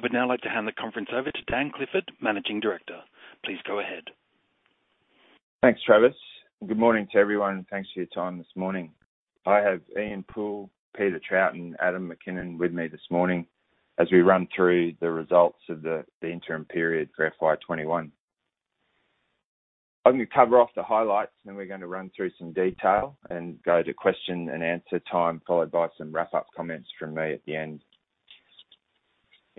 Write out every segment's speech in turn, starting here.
I would now like to hand the conference over to Dan Clifford, Managing Director. Please go ahead. Thanks, Travis. Good morning to everyone, and thanks for your time this morning. I have Ian Poole, Peter Trout and Adam McKinnon with me this morning as we run through the results of the interim period for FY 2021. I'm going to cover off the highlights, then we're going to run through some detail and go to question and answer time, followed by some wrap-up comments from me at the end.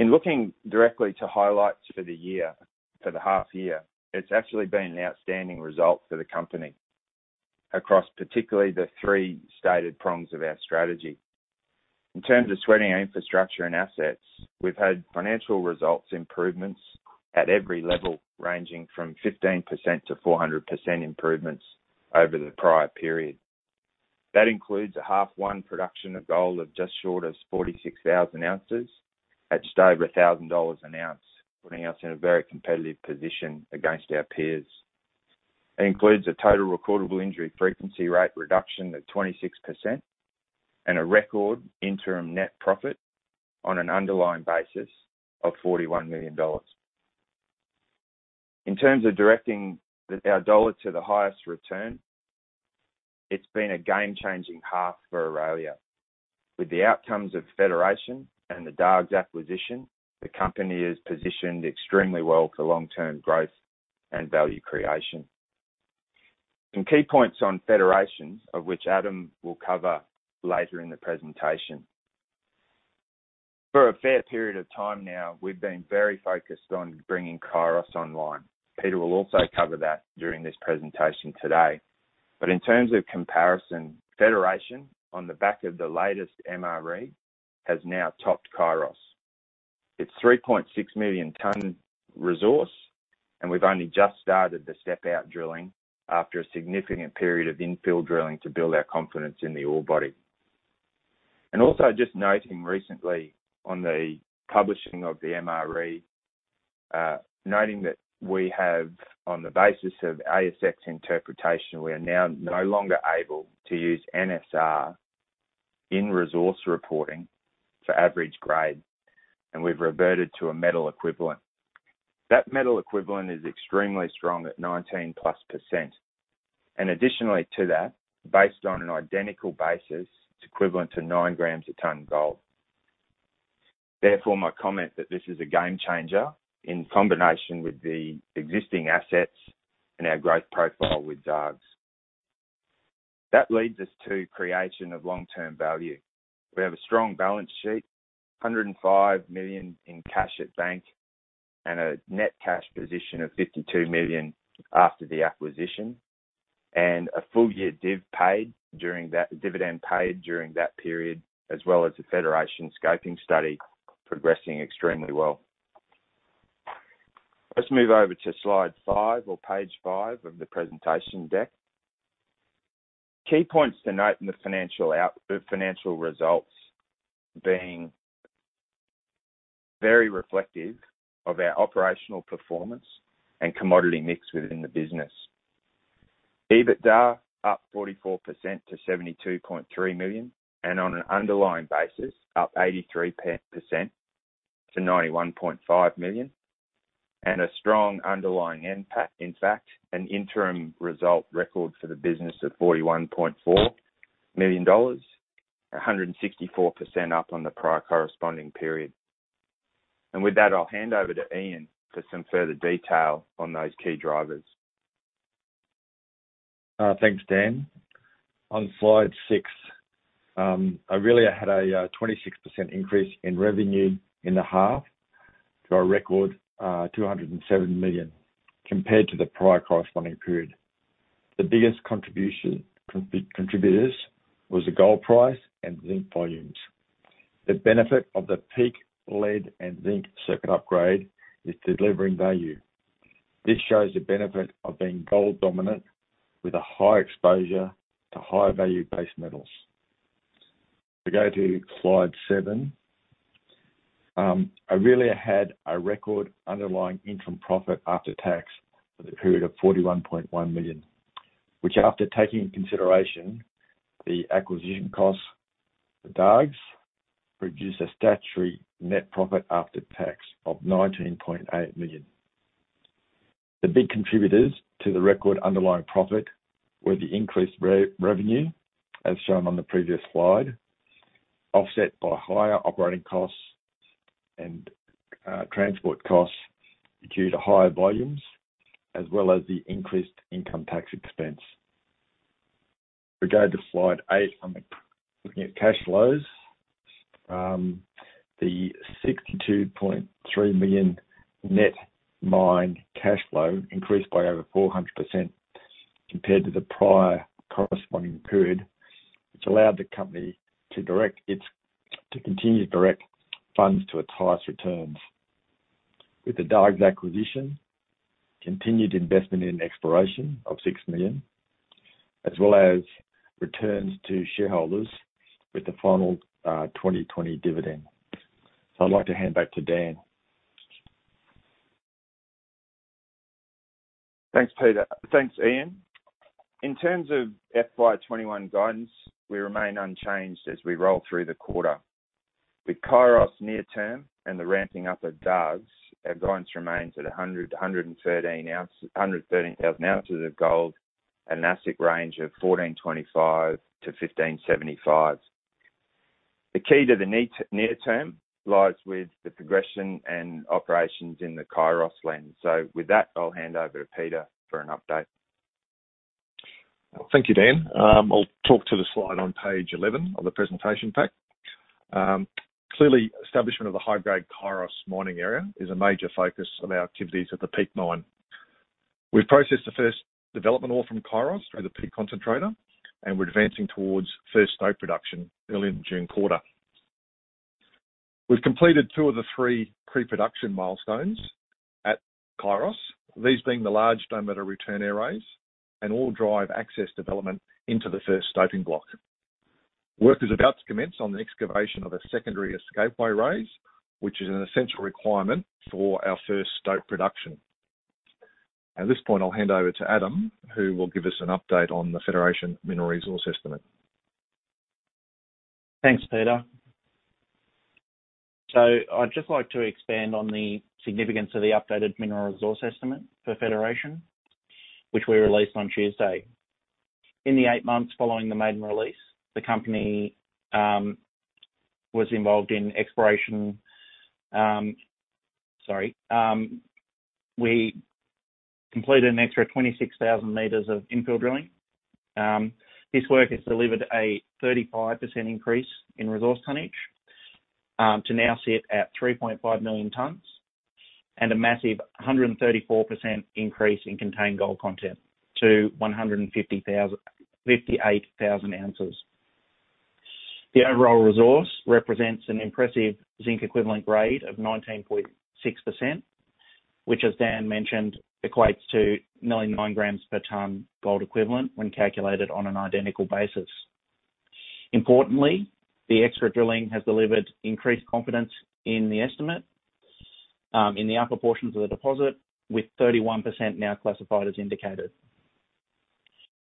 In looking directly to highlights for the half year, it's actually been an outstanding result for the company across particularly the three stated prongs of our strategy. In terms of sweating our infrastructure and assets, we've had financial results improvements at every level, ranging from 15%-400% improvements over the prior period. That includes a half one production of gold of just short of 46,000 ounces at just over 1,000 dollars an ounce, putting us in a very competitive position against our peers. It includes a total recordable injury frequency rate reduction of 26% and a record interim net profit on an underlying basis of 41 million dollars. In terms of directing our dollar to the highest return, it's been a game-changing half for Aurelia. With the outcomes of Federation and the Dargues acquisition, the company is positioned extremely well for long-term growth and value creation. Some key points on Federation, of which Adam will cover later in the presentation. For a fair period of time now, we've been very focused on bringing Kairos online. Peter will also cover that during this presentation today. In terms of comparison, Federation, on the back of the latest MRE, has now topped Kairos. It's 3.6 million ton resource. We've only just started the step out drilling after a significant period of infill drilling to build our confidence in the ore body. Also just noting recently on the publishing of the MRE, noting that we have, on the basis of ASX interpretation, we are now no longer able to use NSR in resource reporting for average grade. We've reverted to a metal equivalent. That metal equivalent is extremely strong at 19+%. Additionally to that, based on an identical basis, it's equivalent to nine grams a ton gold. Therefore, my comment that this is a game changer in combination with the existing assets and our growth profile with Dargues. That leads us to creation of long-term value. We have a strong balance sheet, 105 million in cash at bank, and a net cash position of 52 million after the acquisition, and a full-year dividend paid during that period, as well as the Federation scoping study progressing extremely well. Let's move over to slide five or page five of the presentation deck. Key points to note in the financial results being very reflective of our operational performance and commodity mix within the business. EBITDA up 44% to 72.3 million, and on an underlying basis, up 83% to 91.5 million, and a strong underlying NPAT. In fact, an interim result record for the business of 41.4 million dollars, 164% up on the prior corresponding period. With that, I'll hand over to Ian for some further detail on those key drivers. Thanks, Dan. On slide six, Aurelia had a 26% increase in revenue in the half to a record 207 million compared to the prior corresponding period. The biggest contributors was the gold price and zinc volumes. The benefit of the Peak lead and zinc circuit upgrade is delivering value. This shows the benefit of being gold dominant with a high exposure to higher value base metals. If we go to slide seven. Aurelia had a record underlying interim profit after tax for the period of 41.1 million, which, after taking into consideration the acquisition costs for Dargues, produced a statutory net profit after tax of 19.8 million. The big contributors to the record underlying profit were the increased revenue, as shown on the previous slide, offset by higher operating costs and transport costs due to higher volumes, as well as the increased income tax expense. If we go to slide eight, I'm looking at cash flows. The 62.3 million net mine cash flow increased by over 400% compared to the prior corresponding period, which allowed the company to continue to direct funds to its highest returns. With the Dargues acquisition, continued investment in exploration of 6 million, as well as returns to shareholders with the final 2020 dividend. I'd like to hand back to Dan. Thanks, Ian. In terms of FY21 guidance, we remain unchanged as we roll through the quarter. With Kairos near-term and the ramping up of Dargues, our guidance remains at 113,000 ounces of gold and AISC range of 1,425-1,575. The key to the near term lies with the progression and operations in the Kairos lens. With that, I'll hand over to Peter for an update. Thank you, Dan. I'll talk to the slide on page 11 of the presentation pack. Clearly, establishment of the high-grade Kairos mining area is a major focus of our activities at the Peak Mine. We've processed the first development ore from Kairos through the Peak concentrator, and we're advancing towards first ore production early in the June quarter. We've completed two of the three pre-production milestones at Kairos, these being the large dome at a return airways and all drive access development into the first stoping block. Work is about to commence on the excavation of a secondary escapeway raise, which is an essential requirement for our first stop production. At this point, I'll hand over to Adam, who will give us an update on the Federation mineral resource estimate. Thanks, Peter. I'd just like to expand on the significance of the updated mineral resource estimate for Federation, which we released on Tuesday. In the eight months following the maiden release, the company was involved in exploration. We completed an extra 26,000 meters of infill drilling. This work has delivered a 35% increase in resource tonnage, to now sit at 3.5 million tons, and a massive 134% increase in contained gold content to 158,000 ounces. The overall resource represents an impressive zinc equivalent grade of 19.6%, which, as Dan mentioned, equates to 99 grams per ton gold equivalent when calculated on an identical basis. Importantly, the extra drilling has delivered increased confidence in the estimate, in the upper portions of the deposit, with 31% now classified as indicated.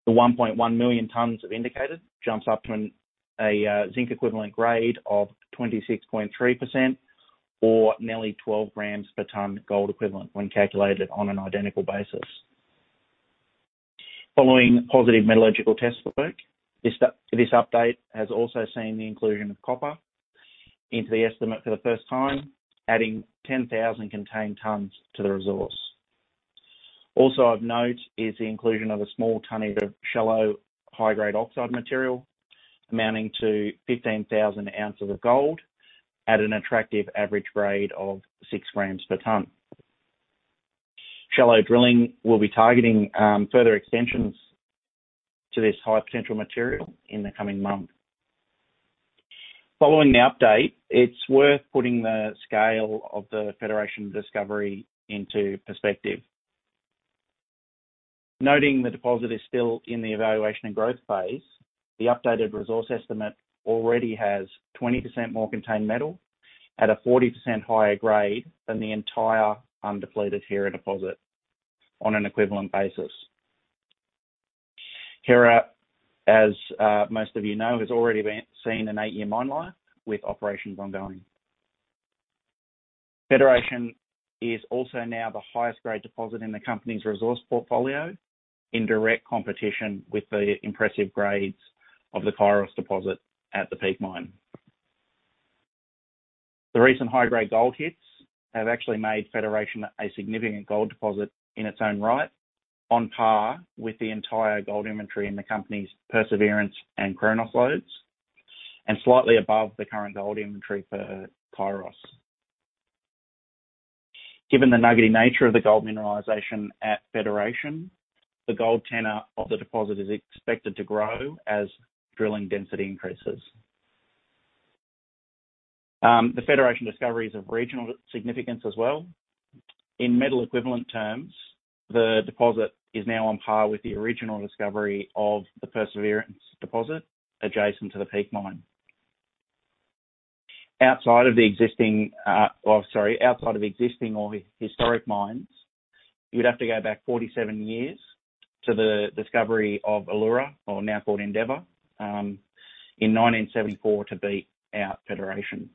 The 1.1 million tons of indicated jumps up to a zinc equivalent grade of 26.3% or nearly 12 grams per ton gold equivalent when calculated on an identical basis. Following positive metallurgical test work, this update has also seen the inclusion of copper into the estimate for the first time, adding 10,000 contained tons to the resource. Also of note is the inclusion of a small tonnage of shallow high-grade oxide material amounting to 15,000 ounces of gold at an attractive average grade of 6 grams per ton. Shallow drilling will be targeting further extensions to this high potential material in the coming month. Following the update, it's worth putting the scale of the Federation discovery into perspective. Noting the deposit is still in the evaluation and growth phase, the updated resource estimate already has 20% more contained metal at a 40% higher grade than the entire undeployed Hera deposit on an equivalent basis. Hera, as most of you know, has already seen an eight-year mine life with operations ongoing. Federation is also now the highest grade deposit in the company's resource portfolio, in direct competition with the impressive grades of the Kairos deposit at the Peak Mine. The recent high-grade gold hits have actually made Federation a significant gold deposit in its own right, on par with the entire gold inventory in the company's Perseverance and Chronos lodes, and slightly above the current gold inventory for Kairos. Given the nuggety nature of the gold mineralization at Federation, the gold tenor of the deposit is expected to grow as drilling density increases. The Federation discovery is of regional significance as well. In metal equivalent terms, the deposit is now on par with the original discovery of the Perseverance deposit adjacent to the Peak Mine. Outside of existing or historic mines, you'd have to go back 47 years to the discovery of Elura, or now called Endeavor, in 1974 to beat out Federation.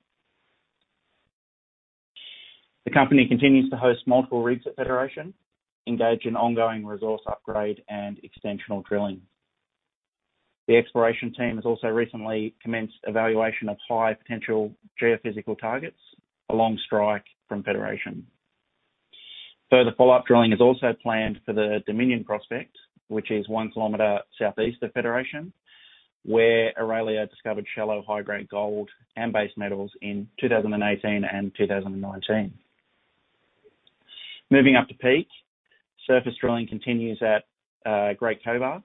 The company continues to host multiple rigs at Federation, engage in ongoing resource upgrade and extensional drilling. The exploration team has also recently commenced evaluation of high potential geophysical targets along strike from Federation. Further follow-up drilling is also planned for the Dominion prospect, which is one kilometer southeast of Federation, where Aurelia discovered shallow high-grade gold and base metals in 2018 and 2019. Moving up to Peak, surface drilling continues at Great Cobar,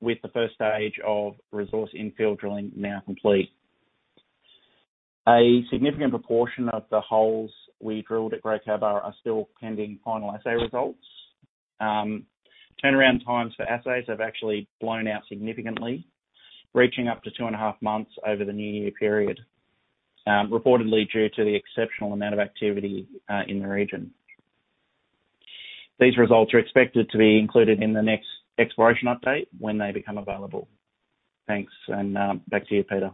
with the first stage of resource infill drilling now complete. A significant proportion of the holes we drilled at Great Cobar are still pending final assay results. Turnaround times for assays have actually blown out significantly, reaching up to two and a half months over the new year period. Reportedly due to the exceptional amount of activity in the region. These results are expected to be included in the next exploration update when they become available. Thanks. Back to you, Peter.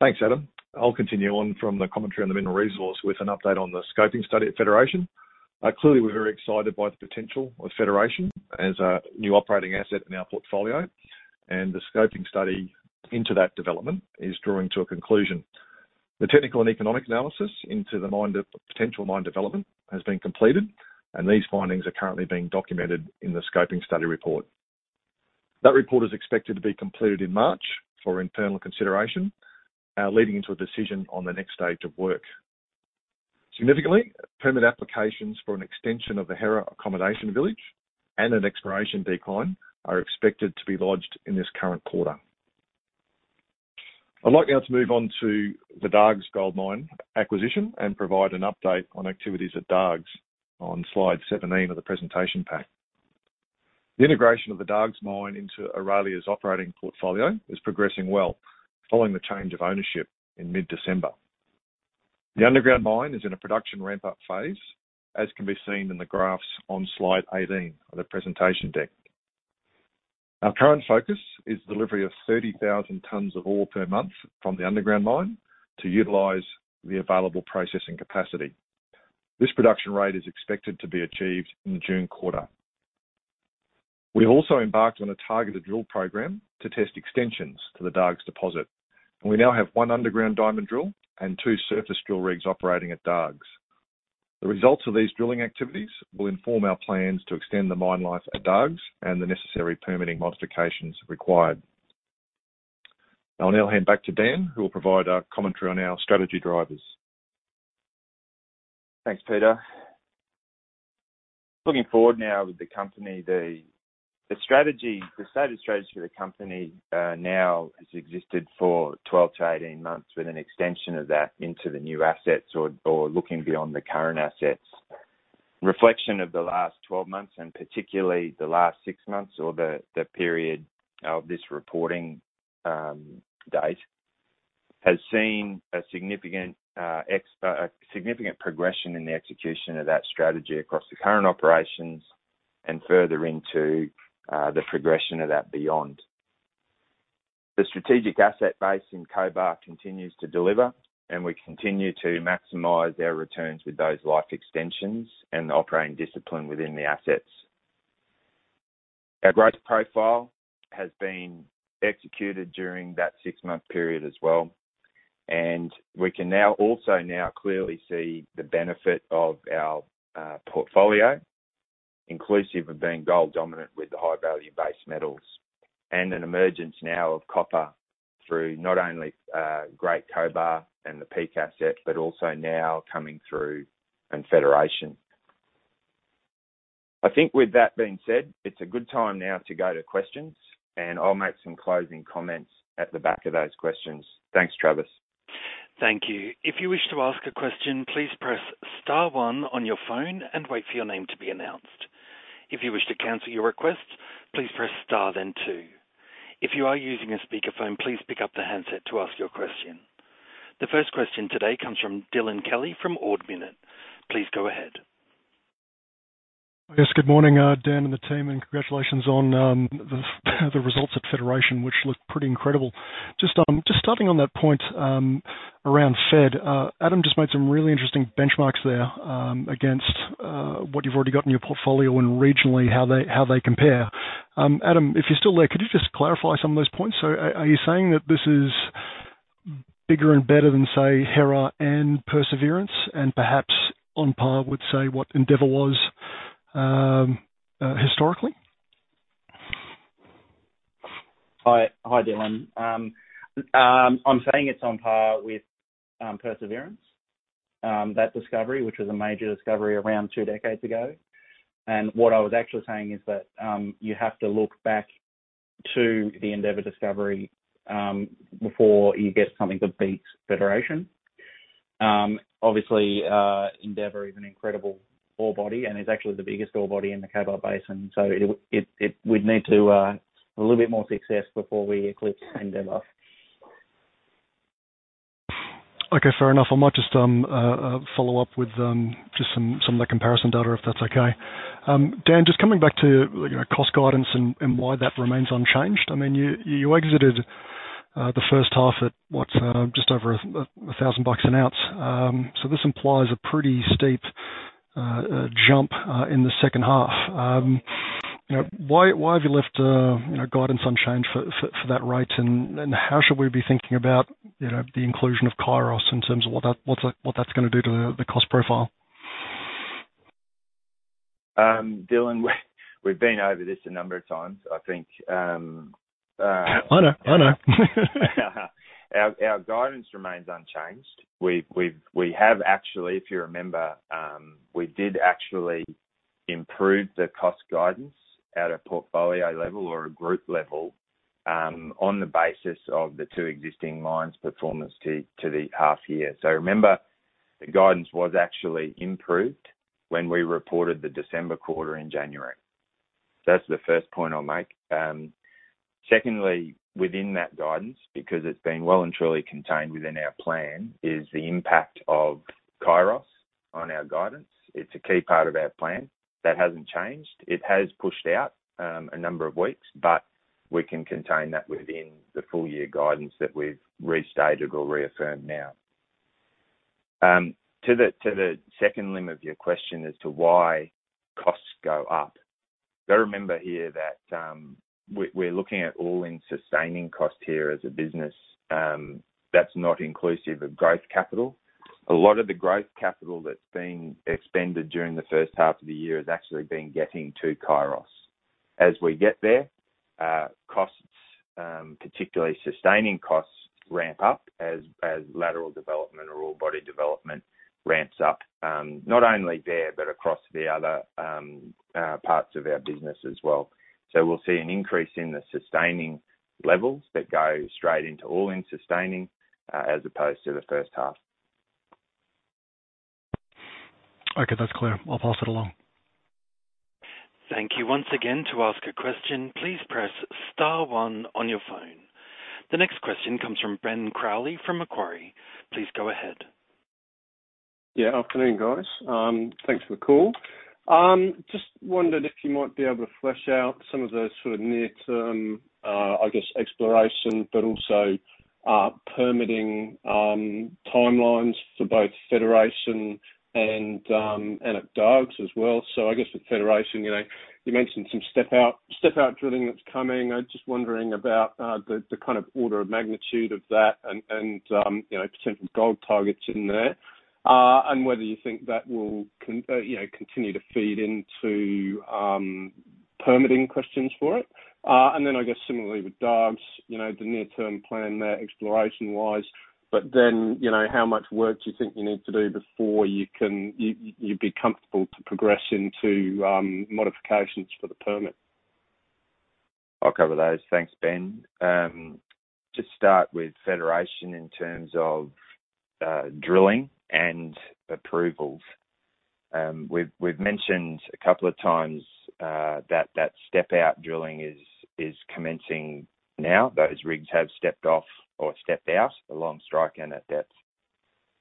Thanks, Adam. I'll continue on from the commentary on the mineral resource with an update on the scoping study at Federation. Clearly, we're very excited by the potential of Federation as a new operating asset in our portfolio, and the scoping study into that development is drawing to a conclusion. The technical and economic analysis into the potential mine development has been completed, and these findings are currently being documented in the scoping study report. That report is expected to be completed in March for internal consideration, leading to a decision on the next stage of work. Significantly, permit applications for an extension of the Hera accommodation village and an exploration decline are expected to be lodged in this current quarter. I'd like now to move on to the Dargues Gold Mine acquisition and provide an update on activities at Dargues on slide 17 of the presentation pack. The integration of the Dargues mine into Aurelia's operating portfolio is progressing well following the change of ownership in mid-December. The underground mine is in a production ramp-up phase, as can be seen in the graphs on slide 18 of the presentation deck. Our current focus is the delivery of 30,000 tons of ore per month from the underground mine to utilize the available processing capacity. This production rate is expected to be achieved in the June quarter. We have also embarked on a targeted drill program to test extensions to the Dargues deposit, and we now have one underground diamond drill and two surface drill rigs operating at Dargues. The results of these drilling activities will inform our plans to extend the mine life at Dargues and the necessary permitting modifications required. I'll now hand back to Dan, who will provide our commentary on our strategy drivers. Thanks, Peter. Looking forward now with the company, the stated strategy for the company now has existed for 12-18 months with an extension of that into the new assets or looking beyond the current assets. Reflection of the last 12 months, particularly the last six months or the period of this reporting date, has seen a significant progression in the execution of that strategy across the current operations and further into the progression of that beyond. The strategic asset base in Cobar continues to deliver. We continue to maximize our returns with those life extensions and the operating discipline within the assets. Our growth profile has been executed during that six-month period as well. We can also now clearly see the benefit of our portfolio, inclusive of being gold dominant with the high-value base metals and an emergence now of copper through not only great Cobar and the Peak asset, but also now coming through in Federation. I think with that being said, it's a good time now to go to questions. I'll make some closing comments at the back of those questions. Thanks, Travis. Thank you. The first question today comes from Dylan Kelly from Ord Minnett. Please go ahead. Yes, good morning, Dan and the team. Congratulations on the results at Federation, which look pretty incredible. Just starting on that point around Fed, Adam just made some really interesting benchmarks there against what you've already got in your portfolio and regionally how they compare. Adam, if you're still there, could you just clarify some of those points? Are you saying that this is bigger and better than, say, Hera and Perseverance and perhaps on par with, say, what Endeavor was historically? Hi, Dylan. I'm saying it's on par with Perseverance. That discovery, which was a major discovery around two decades ago. What I was actually saying is that you have to look back to the Endeavor discovery before you get something that beats Federation. Obviously, Endeavor is an incredible ore body and is actually the biggest ore body in the Cobar Basin. We'd need to a little bit more success before we eclipse Endeavor. Okay, fair enough. I might just follow up with just some of the comparison data, if that's okay. Dan, just coming back to cost guidance and why that remains unchanged. I mean, you exited the first half at, what? Just over 1,000 bucks an ounce. This implies a pretty steep jump in the second half. Why have you left guidance unchanged for that rate, and how should we be thinking about the inclusion of Kairos in terms of what that's going to do to the cost profile? Dylan, we've been over this a number of times, I think. I know. I know. Our guidance remains unchanged. If you remember, we did actually improve the cost guidance at a portfolio level or a group level on the basis of the two existing mines' performance to the half year. Remember, the guidance was actually improved when we reported the December quarter in January. So that's the first point I'll make. Secondly, within that guidance, because it's been well and truly contained within our plan, is the impact of Kairos on our guidance. It's a key part of our plan. That hasn't changed. It has pushed out a number of weeks, but we can contain that within the full year guidance that we've restated or reaffirmed now. To the second limb of your question as to why costs go up. You got to remember here that we're looking at all-in sustaining cost here as a business. That's not inclusive of growth capital. A lot of the growth capital that's been expended during the first half of the year has actually been getting to Kairos. As we get there, costs, particularly sustaining costs, ramp up as lateral development or orebody development ramps up, not only there, but across the other parts of our business as well. We'll see an increase in the sustaining levels that go straight into all-in sustaining as opposed to the first half. Okay. That's clear. I'll pass it along. Thank you. Once again, to ask a question, please press star one on your phone. The next question comes from Ben Crowley from Macquarie. Please go ahead. Yeah, afternoon, guys. Thanks for the call. Just wondered if you might be able to flesh out some of those sort of near-term, I guess, exploration, but also permitting timelines for both Federation and at Dargues as well. I guess with Federation, you mentioned some step-out drilling that's coming. I'm just wondering about the kind of order of magnitude of that and % of gold targets in there, and whether you think that will continue to feed into permitting questions for it. I guess similarly with Dargues, the near-term plan there exploration-wise, how much work do you think you need to do before you'd be comfortable to progress into modifications for the permit? I'll cover those. Thanks, Ben. Just start with Federation in terms of drilling and approvals. We've mentioned a couple of times that that step-out drilling is commencing now. Those rigs have stepped off or stepped out along strike and at depth.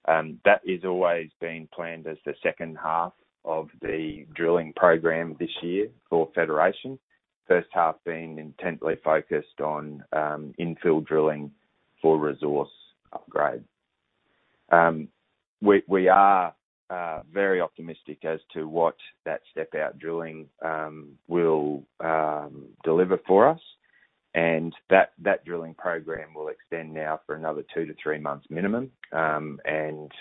That is always being planned as the second half of the drilling program this year for Federation, first half being intently focused on infill drilling for resource upgrade. We are very optimistic as to what that step-out drilling will deliver for us, and that drilling program will extend now for another two to three months minimum, and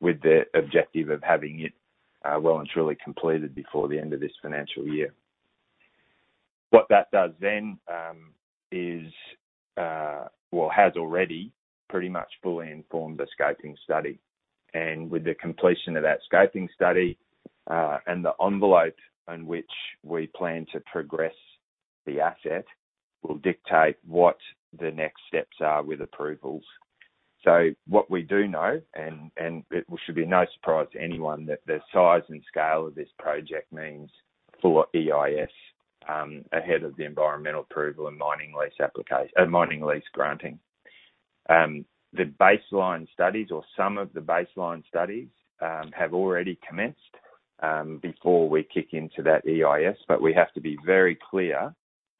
with the objective of having it well and truly completed before the end of this financial year. What that does then is, well, has already pretty much fully informed the scoping study. With the completion of that scoping study, and the envelope in which we plan to progress the asset, will dictate what the next steps are with approvals. What we do know, and it should be no surprise to anyone that the size and scale of this project means full EIS ahead of the environmental approval and mining lease granting. The baseline studies or some of the baseline studies have already commenced, before we kick into that EIS. We have to be very clear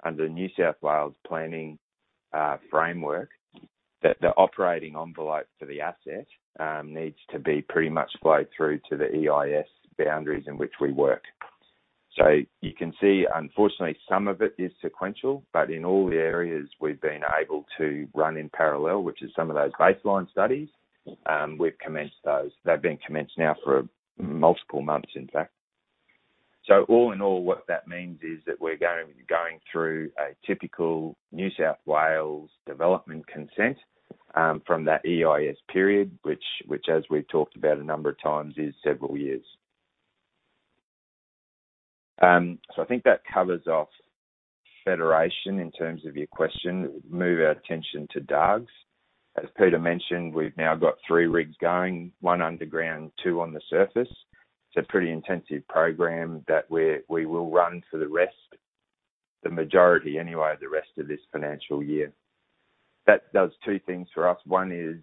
under New South Wales planning framework that the operating envelope for the asset needs to be pretty much flow through to the EIS boundaries in which we work. You can see, unfortunately, some of it is sequential, but in all the areas we've been able to run in parallel, which is some of those baseline studies, we've commenced those. They've been commenced now for multiple months, in fact. All in all, what that means is that we're going through a typical New South Wales development consent, from that EIS period, which as we've talked about a number of times, is several years. I think that covers off Federation in terms of your question. Move our attention to Dargues. As Peter mentioned, we've now got three rigs going, one underground, two on the surface. It's a pretty intensive program that we will run for the rest, the majority anyway, the rest of this financial year. That does two things for us. One is,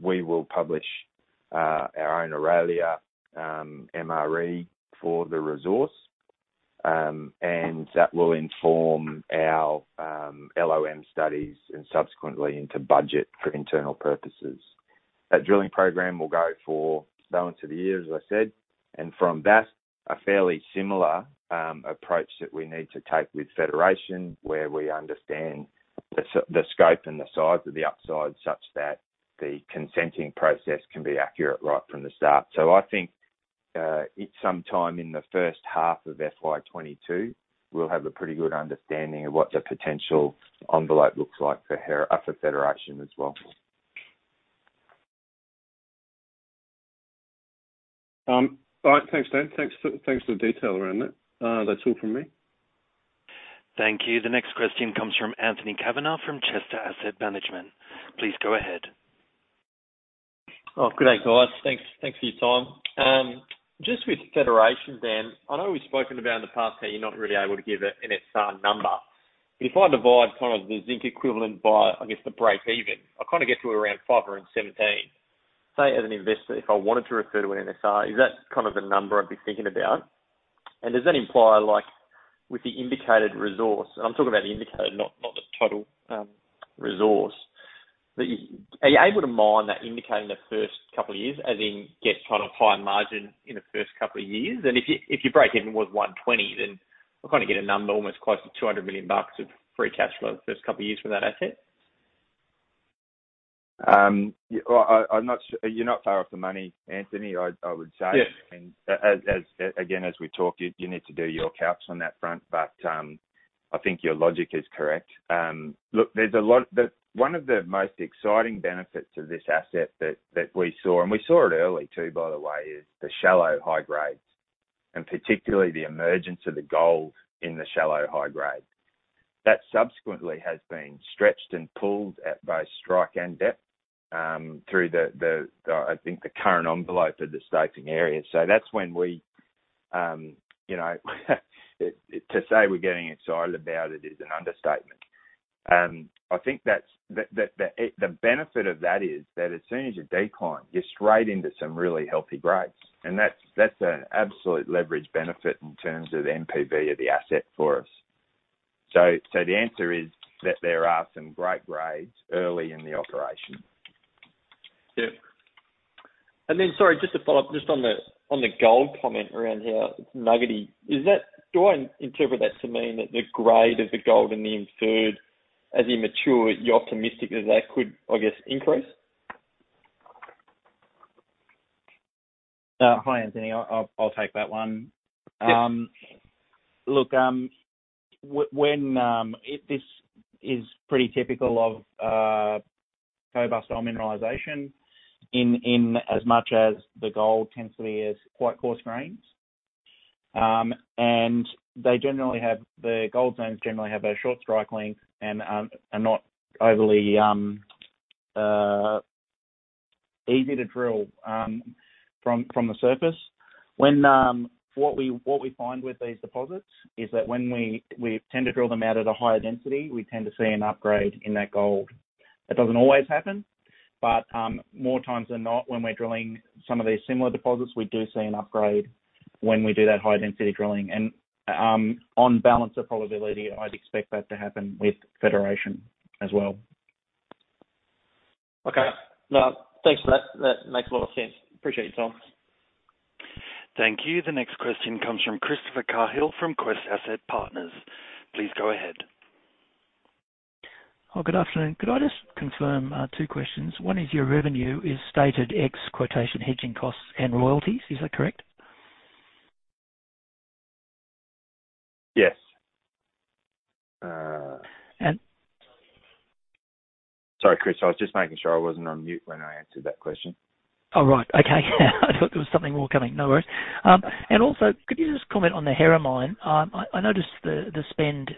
we will publish our own Aurelia MRE for the resource, and that will inform our LOM studies and subsequently into budget for internal purposes. That drilling program will go for the balance of the year, as I said, and from that, a fairly similar approach that we need to take with Federation, where we understand the scope and the size of the upside, such that the consenting process can be accurate right from the start. I think, it's sometime in the first half of FY 2022, we'll have a pretty good understanding of what the potential envelope looks like for Federation as well. All right. Thanks, Dan. Thanks for the detail around that. That's all from me. Thank you. The next question comes from Anthony Kavanagh from Chester Asset Management. Please go ahead. Good day, guys. Thanks for your time. Just with Federation then, I know we've spoken about in the past how you're not really able to give an NSR number. If I divide kind of the zinc equivalent by, I guess, the break-even, I kind of get to around 517. Say, as an investor, if I wanted to refer to an NSR, is that kind of the number I'd be thinking about? Does that imply, with the indicated resource, and I'm talking about the indicated, not the total resource. Are you able to mine that indicated in the first couple of years, as in get kind of high margin in the first couple of years? If you break even with 120, then we're going to get a number almost close to 200 million bucks of free cash flow the first couple of years from that asset. Well, you're not far off the money, Anthony. I would say. Yeah as, again, as we talk, you need to do your calcs on that front, but I think your logic is correct. One of the most exciting benefits of this asset that we saw, and we saw it early too, by the way, is the shallow high grades, and particularly the emergence of the gold in the shallow high grade. Subsequently has been stretched and pulled at both strike and depth, through the, I think, the current envelope of the staking area. To say we're getting excited about it is an understatement. I think the benefit of that is, that as soon as you decline, you're straight into some really healthy grades. That's an absolute leverage benefit in terms of NPV of the asset for us. The answer is that there are some great grades early in the operation. Yeah. Sorry, just to follow up just on the gold comment around how it's nuggety. Do I interpret that to mean that the grade of the gold in the inferred, as you mature it, you're optimistic that that could, I guess, increase? Hi, Anthony. I'll take that one. Yeah. Look, this is pretty typical of Cobar-style mineralization in as much as the gold tends to be as quite coarse grains. The gold zones generally have a short strike length and are not overly easy to drill from the surface. What we find with these deposits is that when we tend to drill them out at a higher density, we tend to see an upgrade in that gold. That doesn't always happen. More times than not, when we're drilling some of these similar deposits, we do see an upgrade when we do that high-density drilling. On balance of probability, I'd expect that to happen with Federation as well. Okay. No, thanks for that. That makes a lot of sense. Appreciate your time. Thank you. The next question comes from Christopher Cahill from Quest Asset Partners. Please go ahead. Good afternoon. Could I just confirm two questions? One is your revenue is stated ex quotation hedging costs and royalties. Is that correct? Yes. And- Sorry, Chris, I was just making sure I wasn't on mute when I answered that question. All right. Okay. I thought there was something more coming. No worries. Also, could you just comment on the Hera Mine? I noticed the spend.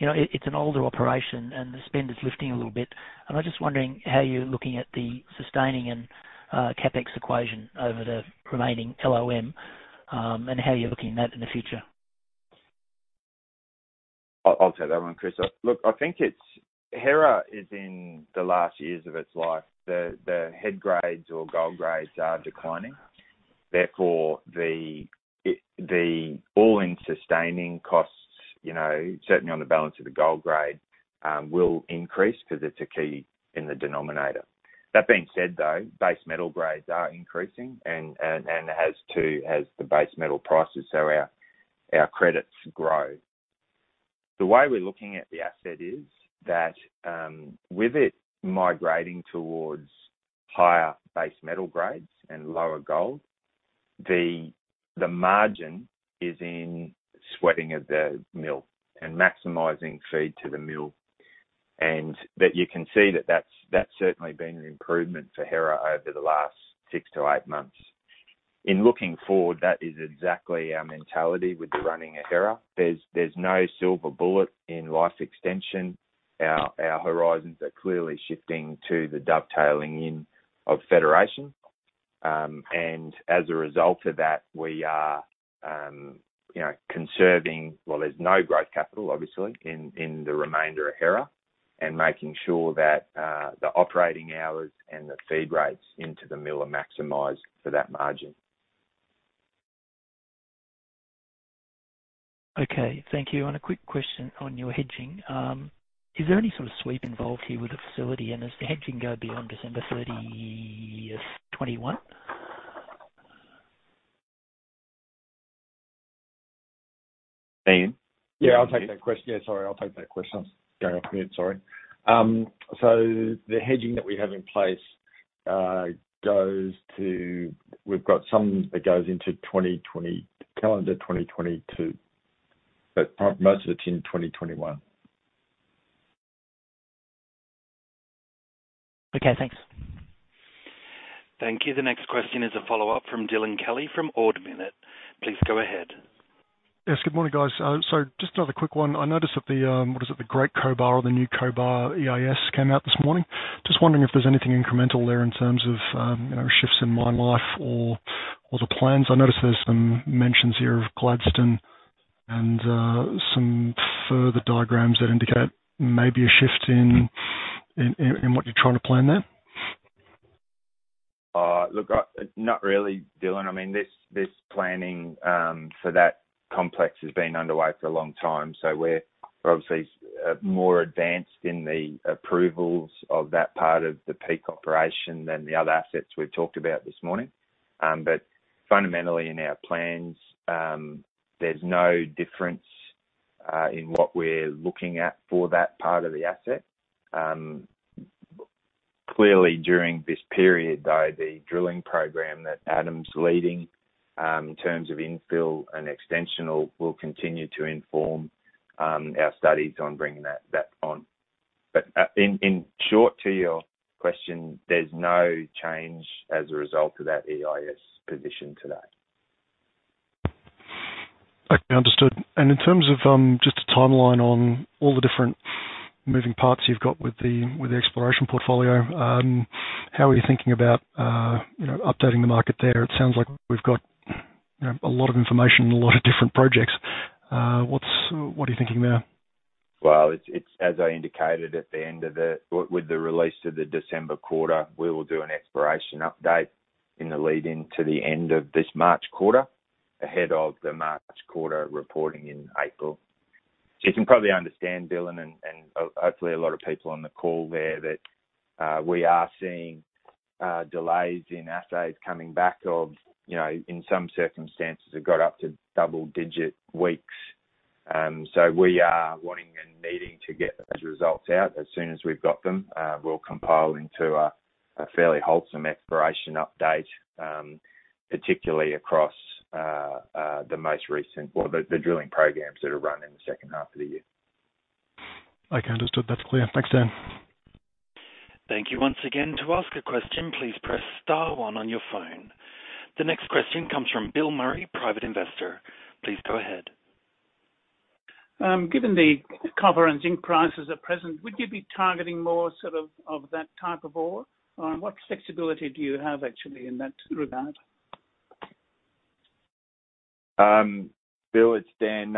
It's an older operation, the spend is lifting a little bit. I'm just wondering how you're looking at the sustaining and CapEx equation over the remaining LOM, how you're looking at that in the future. I'll take that one, Chris. Look, I think Hera is in the last years of its life. The head grades or gold grades are declining. The all-in sustaining costs, certainly on the balance of the gold grade, will increase because it's a key in the denominator. That being said, though, base metal grades are increasing and as too has the base metal prices. Our credits grow. The way we're looking at the asset is that, with it migrating towards higher base metal grades and lower gold, the margin is in sweating of the mill and maximizing feed to the mill. That you can see that that's certainly been an improvement for Hera over the last six to eight months. In looking forward, that is exactly our mentality with the running of Hera. There's no silver bullet in life extension. Our horizons are clearly shifting to the dovetailing in of Federation. As a result of that, we are conserving there's no growth capital, obviously, in the remainder of Hera and making sure that the operating hours and the feed rates into the mill are maximized for that margin. Okay, thank you. A quick question on your hedging. Is there any sort of sweep involved here with the facility and does the hedging go beyond December 30th, 2021? Ian? Yeah, I'll take that question. Yeah, sorry. I'll take that question. I was going off mute, sorry. The hedging that we have in place goes to We've got some that goes into calendar 2022, but most of it's in 2021. Okay, thanks. Thank you. The next question is a follow-up from Dylan Kelly from Ord Minnett. Please go ahead. Yes. Good morning, guys. Just another quick one. I noticed that the, what is it? The Great Cobar or the New Cobar EIS came out this morning. Just wondering if there's anything incremental there in terms of shifts in mine life or the plans. I noticed there's some mentions here of Gladstone and some further diagrams that indicate maybe a shift in what you're trying to plan there. Not really, Dylan. This planning for that complex has been underway for a long time, we're obviously more advanced in the approvals of that part of the Peak operation than the other assets we've talked about this morning. Fundamentally in our plans, there's no difference in what we're looking at for that part of the asset. Clearly, during this period, though, the drilling program that Adam's leading in terms of infill and extensional will continue to inform our studies on bringing that on. In short to your question, there's no change as a result of that EIS position today. Okay, understood. In terms of just a timeline on all the different moving parts you've got with the exploration portfolio, how are you thinking about updating the market there? It sounds like we've got a lot of information and a lot of different projects. What are you thinking there? Well, as I indicated with the release of the December quarter, we will do an exploration update in the lead-in to the end of this March quarter, ahead of the March quarter reporting in April. You can probably understand, Dylan, and hopefully a lot of people on the call there that we are seeing delays in assays coming back of, in some circumstances have got up to double-digit weeks. We are wanting and needing to get those results out as soon as we've got them. We'll compile into a fairly wholesome exploration update, particularly across the most recent or the drilling programs that are run in the second half of the year. Okay, understood. That's clear. Thanks, Dan. Thank you once again. To ask a question, please press star one on your phone. The next question comes from Bill Murray, Private Investor. Please go ahead. Given the copper and zinc prices at present, would you be targeting more sort of that type of ore? What flexibility do you have actually in that regard? Bill, it's Dan.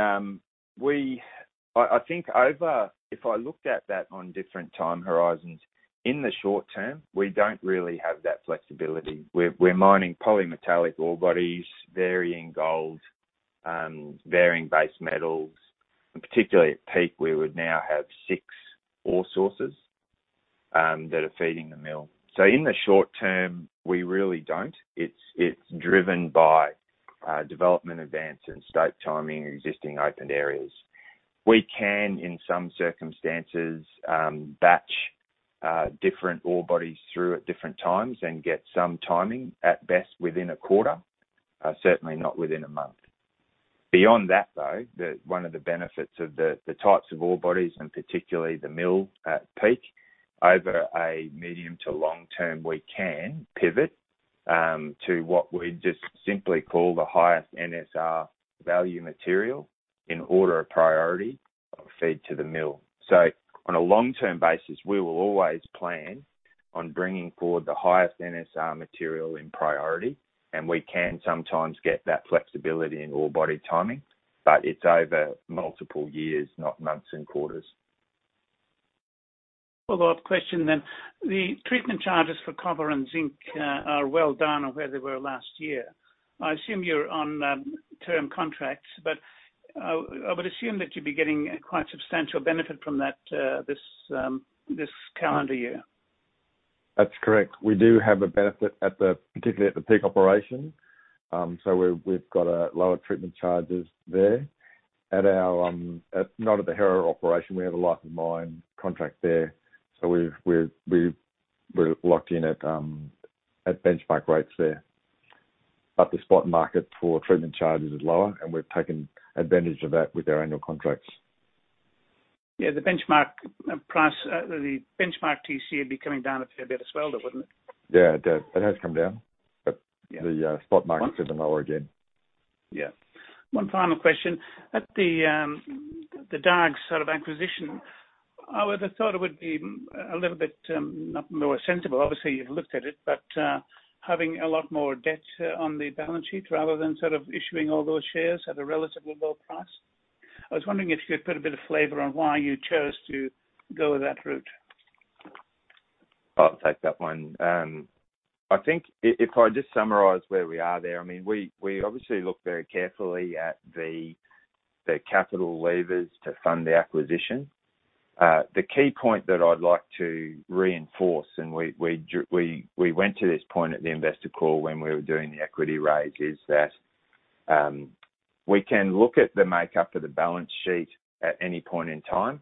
I think if I looked at that on different time horizons, in the short term, we don't really have that flexibility. We're mining polymetallic ore bodies, varying gold, varying base metals. Particularly at Peak, we would now have six ore sources that are feeding the mill. In the short term, we really don't. It's driven by development advance and scope timing existing opened areas. We can, in some circumstances, batch different ore bodies through at different times and get some timing at best within a quarter, certainly not within a month. Beyond that, though, one of the benefits of the types of ore bodies and particularly the mill at Peak, over a medium to long term, we can pivot to what we just simply call the highest NSR value material in order of priority of feed to the mill. On a long-term basis, we will always plan on bringing forward the highest NSR material in priority, and we can sometimes get that flexibility in ore body timing, but it's over multiple years, not months and quarters. Follow-up question then. The treatment charges for copper and zinc are well down on where they were last year. I assume you're on term contracts, but I would assume that you'd be getting a quite substantial benefit from that this calendar year. That's correct. We do have a benefit particularly at the Peak operation. We've got lower treatment charges there. Not at the Hera operation. We have a life of mine contract there. We're locked in at benchmark rates there. The spot market for treatment charges is lower, and we've taken advantage of that with our annual contracts. Yeah, the benchmark price, the benchmark TC would be coming down a fair bit as well, though, wouldn't it? Yeah, it has come down, but the spot market is even lower again. Yeah. One final question. At the Dargues sort of acquisition, I would have thought it would be a little bit, not more sensible, obviously, you've looked at it, but having a lot more debt on the balance sheet rather than sort of issuing all those shares at a relatively low price. I was wondering if you could put a bit of flavor on why you chose to go that route. I'll take that one. I think if I just summarize where we are there, we obviously look very carefully at the capital levers to fund the acquisition. The key point that I'd like to reinforce, and we went to this point at the investor call when we were doing the equity raise, is that we can look at the makeup of the balance sheet at any point in time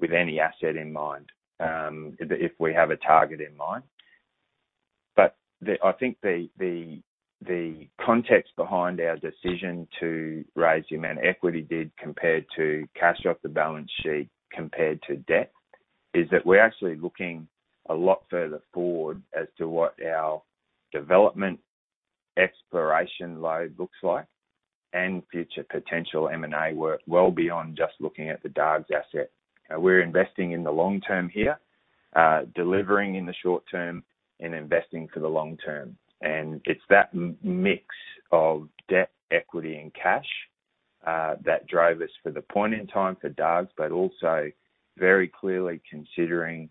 with any asset in mind, if we have a target in mind. I think the context behind our decision to raise the amount of equity did compared to cash off the balance sheet compared to debt is that we're actually looking a lot further forward as to what our development exploration load looks like and future potential M&A work, well beyond just looking at the Dargues asset. We're investing in the long term here, delivering in the short term and investing for the long term. It's that mix of debt, equity, and cash that drove us for the point in time for Dargues, but also very clearly considering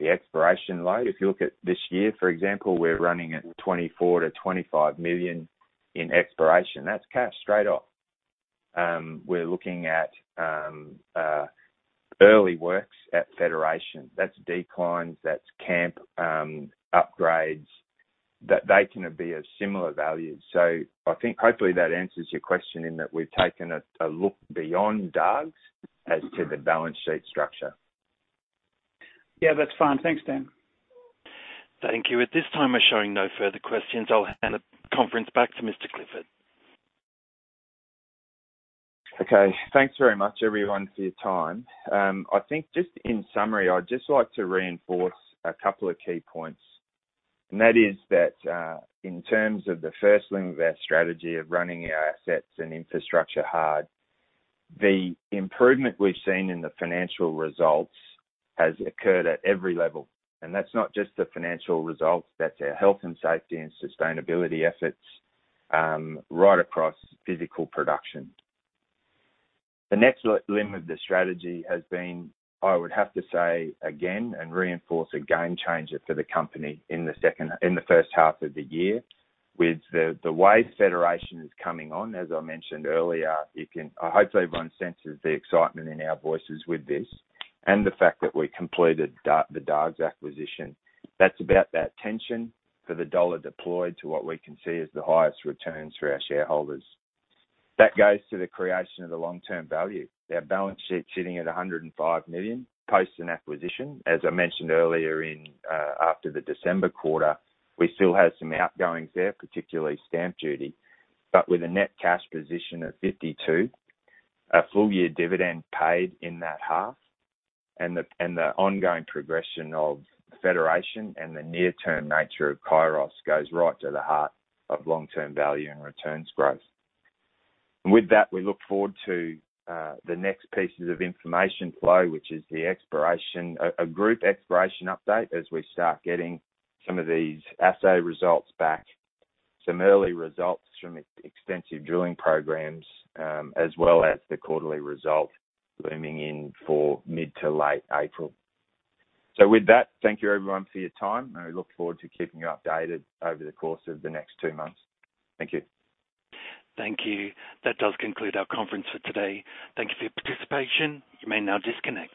the exploration load. If you look at this year, for example, we're running at 24 million-25 million in exploration. That's cash straight off. We're looking at early works at Federation. That's declines, that's camp upgrades. They can be of similar value. I think hopefully that answers your question in that we've taken a look beyond Dargues as to the balance sheet structure. Yeah, that's fine. Thanks, Dan. Thank you. At this time, we're showing no further questions. I'll hand the conference back to Mr. Clifford. Okay. Thanks very much, everyone, for your time. I think just in summary, I'd just like to reinforce a couple of key points, and that is that, in terms of the first limb of our strategy of running our assets and infrastructure hard, the improvement we've seen in the financial results has occurred at every level. That's not just the financial results, that's our health and safety and sustainability efforts, right across physical production. The next limb of the strategy has been, I would have to say again and reinforce, a game changer for the company in the first half of the year with the way Federation is coming on, as I mentioned earlier. I hope everyone senses the excitement in our voices with this and the fact that we completed the Dargues acquisition. That's about that tension for the dollar deployed to what we can see as the highest returns for our shareholders. That goes to the creation of the long-term value. Our balance sheet sitting at 105 million, post an acquisition. As I mentioned earlier after the December quarter, we still have some outgoings there, particularly stamp duty. With a net cash position of 52, a full year dividend paid in that half, and the ongoing progression of Federation and the near-term nature of Kairos goes right to the heart of long-term value and returns growth. With that, we look forward to the next pieces of information flow, which is the exploration, a group exploration update as we start getting some of these assay results back, some early results from extensive drilling programs, as well as the quarterly result looming in for mid to late April. With that, thank you everyone for your time, and we look forward to keeping you updated over the course of the next two months. Thank you. Thank you. That does conclude our conference for today. Thank you for your participation. You may now disconnect.